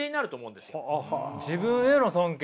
自分への尊敬。